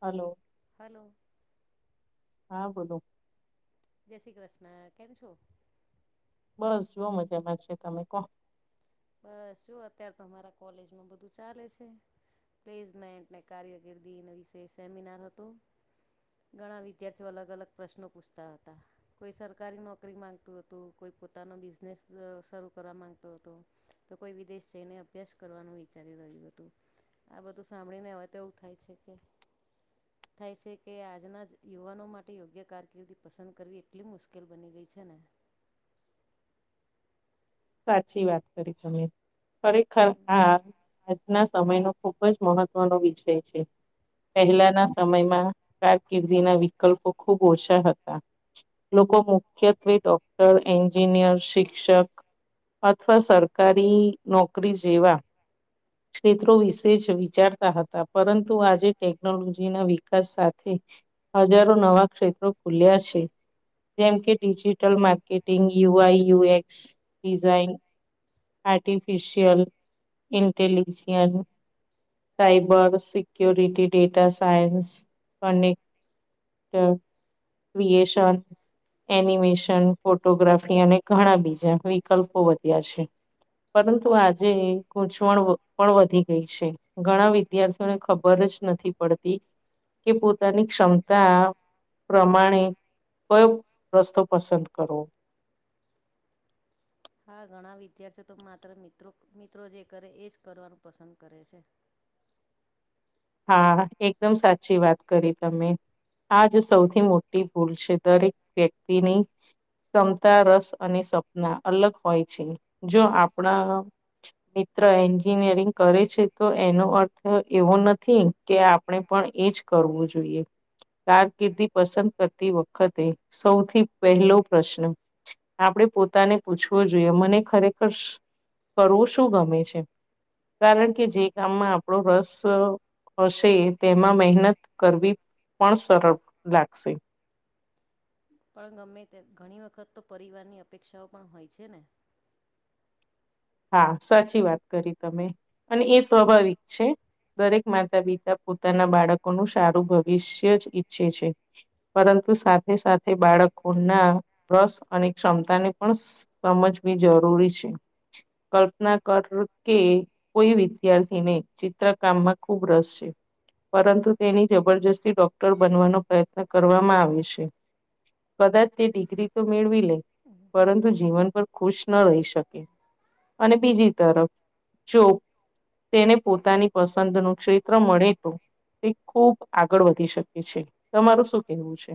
Hello! Hello! હા બોલો. જય શ્રી કૃષ્ણ! કેમ છો? બસ જો મજામાં છીએ. તમે કો? બસ જો અત્યારે તો અમારા કોલેજમાં બધું ચાલે શે. પ્લેસમેન્ટને ને કાર્યકિર્દી વિશે સેમિનાર હતો. ઘણા વિદ્યાર્થીઓ અલગ અલગ પ્રશ્નો પૂછતા હતા. કોઈ સરકારી નોકરી માંગતું હતું. કોઈ પોતાનો બિઝનેસ શ શરૂ કરવા માંગતો હતો તો કોઈ વિદેશ જઈને અભ્યાસ કરવાનું વિચારી રહ્યું હતું. આ બધું સાંભળીને હવે તો એવું થાય છે કે થાય છે કે આજના જ યુવાનો માટે યોગ્ય કારકિર્દી પસંદ કરવી એટલી મુશ્કેલ બની ગઈ છે ને સાચી વાત કરી તમે. ખરેખર હા. આજના સમયનો ખુબ જ મહત્વનો વિષય છે. પહેલાના સમયમાં કારકિર્દીના વિકલ્પો ખૂબ ઓછા હતા. લોકો મુખ્યત્વે ડોક્ટર, એન્જિનિયર, શિક્ષક અથવા સરકારી નોકરી જેવા [inaudible] ક્ષેત્રો વિશે જ વિચારતા હતા પરંતુ આજે ટેકનોલોજી ના વિકાસ સાથે હજારો નવા ક્ષેત્રો ખુલ્યા છે. જેમ કે digital marketing, UI UX design, artificial intelligence, cyber security, data science અનેક હ ક્રિએશન એનિમેશન, ફોટોગ્રાફી અને ઘણા બીજા વિકલ્પો વધ્યા છે. પરંતુ આજે ઘૂચવણ વ પણ વધી ગઈ છે. ઘણા વિદ્યાર્થીઓને ખબર જ નથી પડતી કે પોતાની ક્ષમતા પ્રમાણે કયો રસ્તો પસંદ કરવો હા ઘણા વિદ્યાર્થીઓ તો માત્ર મિત્રો મિત્રો જે કરે એ જ કરવાનું પસંદ કરે છે. હા આ આ, એકદમ સાચી વાત કરી તમે. આ જ સૌથી મોટી ભૂલ છે દરેક વ્યક્તિની ક્ષમતા, રસ અને સપના અલગ હોય છે. જો આપણા મિત્ર એન્જિનિયરિંગ કરે છે તો એનો અર્થ એવો ન થી કે આપણે પણ એજ કરવું જોઈએ. કારકિર્દી પસંદ કરતી વખતે સૌથી પહેલો પ્રશ્ન આપણે પોતાને પૂછવું જોઈએ મને ખરેખર શ કરવું શું ગમે છે? કારણ કે જે કામમાં આપડો રસ હશે તેમાં મહેનત કરવી પણ સરળ લાગશે. પણ ગમે તે ઘણી વખત તો પરિવારની અપેક્ષાઓ પણ હોય છે ને? હા, સાચી વાત કરી તમે અને એ સ્વાભાવિક છે. દરેક માતા પિતા પોતાના બાળકોનું સારું ભવિષ્ય જ ઈચ્છે છે. પરંતુ સાથે સાથે બાળકોના રસ અને ક્ષમતા ને પણ સમજવી જરૂરી છે કલ્પના કર કે કોઈ વિદ્યાર્થીને ચિત્રકામમાં ખુબ રસ છે પરંતુ તેની જબરજસ્તી ડોક્ટર બનવાનો પ્રયત્ન કરવામાં આવે છે કદાચ તે ડિગ્રી તો મેળવી લે પરંતુ જીવનભર ખુશ ન રહી શકે અને બીજી તરફ જો તેને પોતાની પસંદ નું ક્ષેત્ર મળે તો તે ખુબ આગળ વધી શકે છે તમારું શું કેવું છે?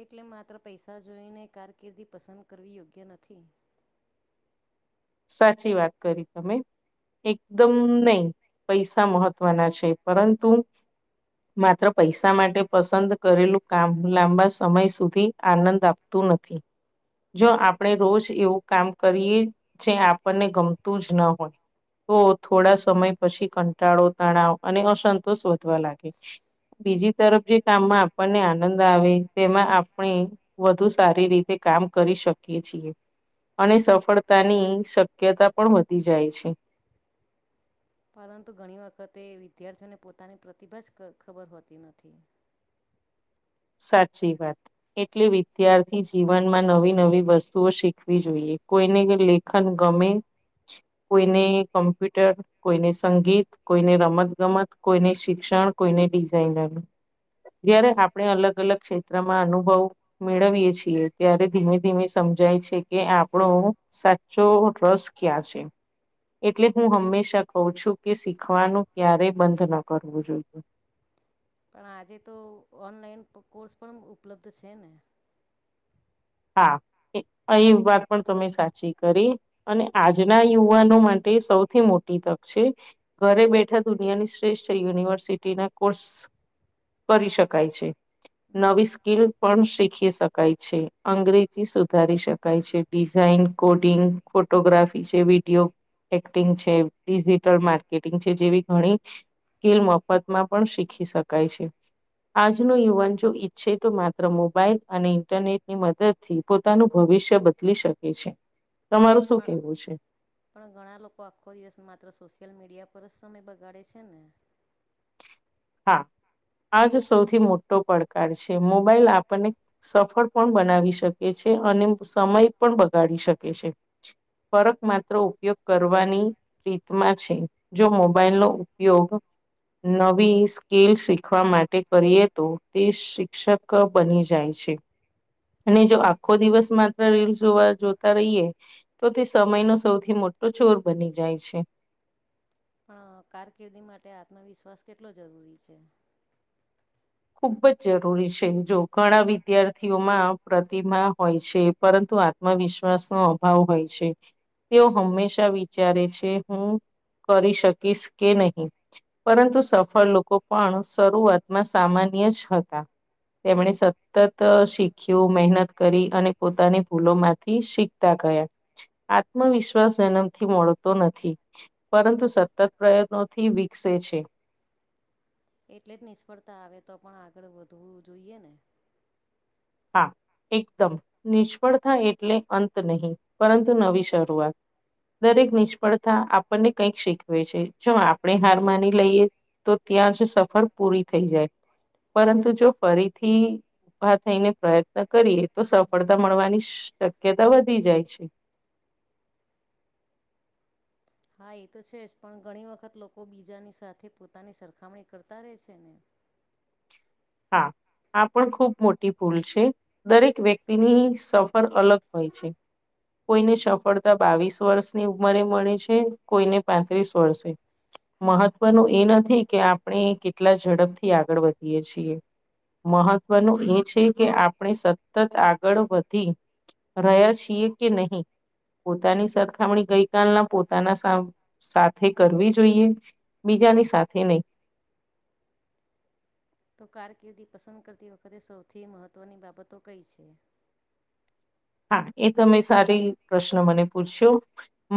એટલે માત્ર પૈસા જોઈને કારકિર્દી પસંદ કરવી યોગ્ય નથી. સાચી વાત કરી તમે એકદમ નહી પૈસા મહત્વના છે પરંતુ માત્ર પૈસા માટે પસંદ કરેલું કામ લાંબા સમય સુધી આનંદ આપ તું નથી જો આપણે રોજ એવું કામ કરીએ જે આપણને ગમતું જ ન હોય. તો થોડા સમય પછી કંટાળો તણાવ અને અસંતોષ વધવા લાગે બીજી તરફ જે કામમાં આપણને આનંદ આવે તેમાં આપણે વધુ સારી કામ કરી શકીએ છીએ અને સફળ તાની શક્યતા પણ વધી જાય છે. પરંતુ ઘણી વખતે વિદ્યાર્થીઓને પોતાની પ્રતિભા જ ખબર હોતી નથી સાચી વાત એટલે જીવનમાં નવી નવી વસ્તુઓ શીખવી જોઈએ [unintelligible] ખન ગમે કોઈને કમ્પ્યુટર કોઈને સંગીત કોઈને રમત ગમત કોઈને શિક્ષણ કોઈને ડિઝાઇનર જયારે આપણે અલગ અલગ ક્ષેત્રમાં અનુભવ મેળવીએ છીએ ત્યારે ધીમે ધીમે સમજાય છે કે આપણો સાચો ટ્રસ્ટ ક્યાં છે એટલે હું હંમેશા કઉ છું કે શીખવાનું ક્યારેય બંધ ન કરવું જોઈએ. પણ આજે તો ઓનલાઈન કોર્સ પણ ઉપલબ્ધ છે ને હા અહી વાત પણ તમે સાચી કરી અને આજના યુવાનો માટે સૌથી મોટી તક છે ઘરે બેઠા દુનિયાની શ્રેષ્ઠ યુનિવર્સિટી ના કોર્સ કરી શકાય છે નવી સ્કીલ પણ શીખી શકાય છે. અંગ્રેજી સુધારી શકાય છે ડિઝાઇન કોડિંગ ફોટોગ્રાફી છે વિડીયો એક્ટિંગ છે ડિજિટલ માર્કેટિંગ છે જેવી ઘણી સ્કિલ મફતમાં પણ શીખી શકાય છે. આજનો યુવાન જો ઈચ્છે તો માત્ર મોબાઈલ અને ઇન્ટરનેટ ની મદદ થી પોતાનું ભવિષ્ય બદલી શકે છે તમારું શું કેવું પણ છે. પણ લોકો આખો દિવસ માત્ર સોશિયલ મીડિયા પર સમય બગાડે છે ને હા આજ સૌથી મોટો પડકાર છે મોબાઈલ આપણને સફળ પણ બનાવી શકે છે અને સમય પણ બગાડી શકે છે [unintelligible] માત્ર ઉપયોગ કરવાની રીતમાં છે જો મોબાઈલ નો ઉપયોગ નવી સ્કીલ શીખવા માટે કરીએ તો તે શિક્ષક બની જાય છે. અને જો આખો દિવસ માત્ર રીલ જોવા જોતા રહીએ તો તે સમયનો સૌથી મોટો ચોર બની જાય છે. પણ કારકિર્દી માટે આત્મવિશ્વાસ કેટલો જરૂરી છે? ખૂબ જ જરૂરી છે જો ઘણા વિદ્યાર્થીઓમાં પ્રતિમાા હોય છે પરંતુ માં આત્મવિશ્વાસનો અભાવ હોય છે. તેઓ હંમેશા વિચારે છે, હું કરી શકીશ કે નહીં. પરંતુ સફળ લોકો પણ શરૂઆતમાં સામાન્ય જ હતા. તેમણે સતત શીખ્યું મહેનત કરી અને પોતાની ભૂલો માંથી શીખ ગયા આત્મવિશ્વાસ જન્મ થી મળતો નથી. પરંતુ સતત પ્રયત્નોથી વિકસે છે. એટલે જ નિષ્ફળતા આવે તો પણ આગળ વધવું જોઈએ ને? હા એકદમ. નિષ્ફળ થાય એટલે અંત નહીં પરંતુ નવી શરૂઆત. દરેક નિષ્ફળતા આપણને કઈક શીખવે છે, જો આપણે હાર માની લઈએ તો ત્યાં જ સફર પૂરી થઈ જાય. પરંતુ જો ફરીથી, ઉભા થઈને પ્રયત્ન કરીએ તો સફળતા મળવાની શક્યતા વધી જાય છે. હા એ તો છે જ પણ ઘણી વખત લોકો બીજાની સાથે પોતાની સરખામણી કરતા રહે છે ને. હા આ પણ ખુબ મોટી ભૂલ છે. દરેક વ્યક્તિની સફર અલગ હોય છે. કોઈને સફળતા બાવીસ વર્ષની ઉંમરે મળે છે, કોઈને પાંત્રીસ વર્ષે ની મહત્વનું એ નથી કે આપણે કેટલા ઝડપ થી આગળ વધીએ છીએ. મહત્વનું એ છે કે આપણે સતત આગળ વધી રહ્યા કે નહીં, પોતાની સરખામણી ગઈ કલના પોતાના સા સાથે કરવી જોઈએ. બીજાની સાથે નહી. તો કારકિર્દી પસંદ કરતી વખતે સૌથી મહત્ત્વની બાબતો કઈ છે? હા એ તમે સારી પ્રશ્ન મને પૂછ્યો.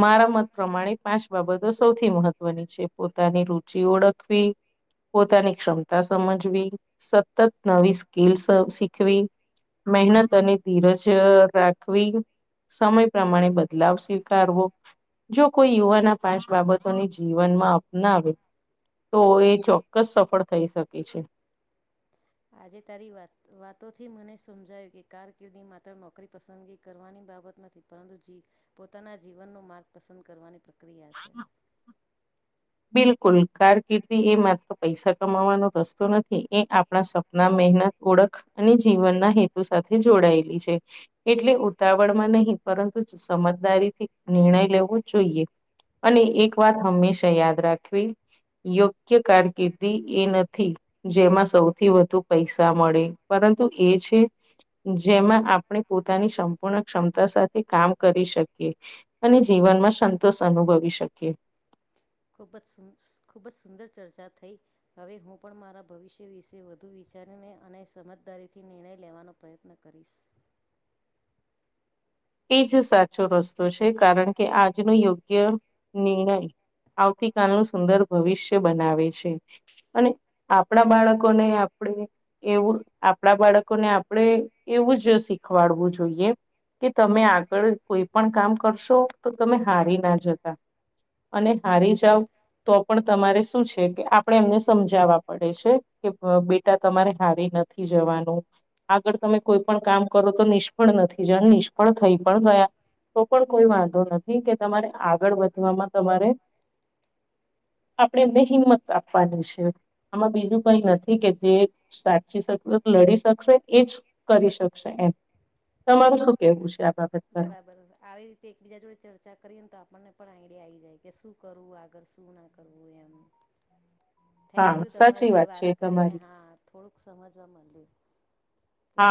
મારા મત પ્રમાણે પાંચ બાબતો સૌથી મહત્વની છે. પોતાની રુચિ ઓળખવી. પોતાની ક્ષમતા સમજવી. સતત નવી સ્કીલ શીખવી. મહેનત અને ધીરજ અ રાખવી. સમય પ્રમાણે બદલાવ સ્વીકારવો. જો કોઈ યુવાન આ પાંચ બાબતોની જીવનમાં અપનાવે તો એ ચોક્કસ સફળ થઈ શકે છે. આજે તારી વાત વાતોથી મને સમજાયું કે કારકિર્દી માત્ર નોકરી પસંદગી કરવાની બાબત નથી પરંતુ જી પોતાના જીવનનો માર્ગ પસંદ કરવાની પ્રક્રિયા છે. બિલકુલ કારકિર્દી એ માત્ર પૈસા કમાવાનો રસ્તો નથી એ આપણા સપ- ના મહેનત ઓળખ અને જીવનના હેતુ સાથે જોડાયેલી છે. એટલે ઉતાવળમાં નહીં પરંતુ સ સમજદારીથી નિર્ણય લેવો જોઈએ. અને એક વાત હંમેશા યાદ રાખવી યોગ્ય કારકિર્દી એ નથી. જેમાં સૌથી વધુ પૈસા મળે પરંતુ એ છે. જેમાં આપણે પોતાની સંપૂર્ણ ક્ષમતા સાથે કામ કરી શકીએ. અને જીવનમાં સંતોષ અનુભવી શકીએ. ખૂબ જ સુંદર ખૂબ જ સુંદર ચર્ચા થઈ. હવે હું પણ મારા ભવિષ્ય વિશે વધુ વિચારીને અને સમજદારીથી નિર્ણય લેવાનો પ્રયત્ન કરીશ. એ જ સાચો રસ્તો છે કારણ કે આજનો યોગ્ય નિર્ણય આવતી કાલનું સુંદર ભવિષ્ય બનાવે છે. અને આપણા બાળકોને આપણે એવું આપણા બાળકોને આપણેે એવું જ શીખવાડવું જોઈએ. કે તમે આગળ કોઈ પણ કામ કરશો તો તમે હારી ના જતા. અને હારી બરાબર જાવ. તો પણ તમારે શું છે કે આપણે એમને સમજાવા પડે છે કે ભ બેટા તમારે હારી નથ થી જવાનું આગળ તમે કોઈ પણ કામ કરો તો નિષ્ફળ નથી જ નિષ ફળ પણ થઈ પણ ગયા. તો પણ કોઈ વાંધો નથી કે તમારે આગળ વધવામાં તમારે આપણે એમને હિંમત આપવાની છે આમાં બીજું કઈ નથી કે જે સાચી શક લડી શકશે એજ કરી શકશે એમ તમારું શું? કહેવું છે આપ બરાબર જ આવી તે એકબીજા જોડે ચર્ચા કરીએ ન તો આપણને પણ આઈડિયા આવી જાય કે શું કરવું આગળ શું ના કરવું એમ. હા થેન્ક યુ તમારી સાચી જોડે વાત છે કરીને તમારી હા. થોડુંક સમજવા માંડ્યું કે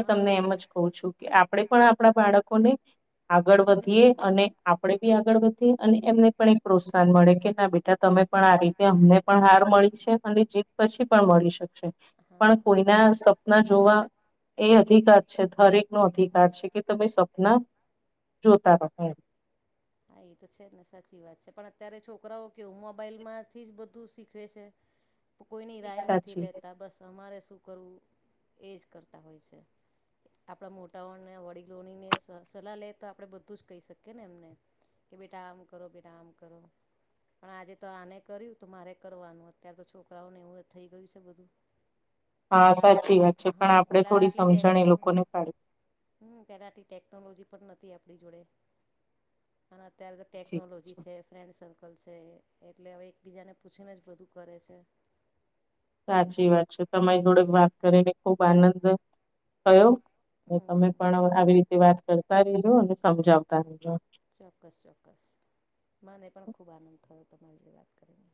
હા. કવુ છું કે આપણે પણ આપણા બાળકોને આગળ વધીએ હમ અને આપણેે બી આગળ વધીએ અને એમને પણ એક પ્રોત્સાહન મળે કે ના બેટા તમે પણ આ રીતે અમને પણ હાર મળી છે અને જીત પછી પણ મળી શકશે. હા પણ કોઈ હા ના સપ ના જોવા એ અધિકાર છે હરેક નો અધિકાર છે કે તમે સપના જોતા રહો એમ. હા એ તો છે ને સાચી વાત છે પણ અત્યારે છોકરાઓ કેવું મોબાઈલમાંથી જ બધું શીખવે છે. પ કોઈ ની રાઈ નથી સાચી લેતા. બસ અમારે શું કરવું એ જ કરતાં હોય છે? આપણા મોટાઓણને વડીલોની ને સલ સલાહ લે તો આપણે બધું જ કહી શકીએ ને એમને. કે બેટા આમ કરો બેટા આમ કરો. પણ આજે તો આને કર્યું તો મારે કરવાનું અત્યારે તો છોકરાઓને એવું થઈ ગયું છે બધું. હા પહેલા સાચી વાત છે પણ હા, આપણે પહેલા થોડી આટલી સમજણ ટેકનું એ લોકોને પાડી હમ. પહેલા આટલી ટેકનોલોજી પણ નથી, આપણી જોડે. અને અત્યારે તો ટેકનોલોજી છે. ફ્રેન્ડ સર્કલ છે. એટલે હવે, એકબીજાને પૂછીને જ બધું કરે છે. સાચી વાત છે. તમારી જોડે વાત કરીને, ખુબ આનંદ થયો. તો તમે હમ પણ આવી રીતે વાત કરતા રહીજો અને સમજાવતા રહજો. ચોક્કસ, ચોક્કસ મને પણ ખૂબ આનંદ થયો, તમારી જોડે વાત કરીને.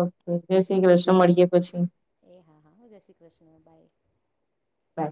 ઓકે. જય શ્રી કૃષ્ણ મળીએ પછી એ હા હા. જય શ્રી કૃષ્ણ. બાય. હા.